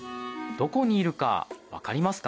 どこにいるかわかりますか？